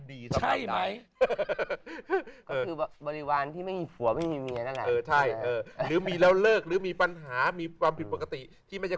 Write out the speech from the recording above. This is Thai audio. ดีไหมเผื่อดีหรือมีแล้วเลิกมีปัญหามีปรับปกติที่ไม่ใช่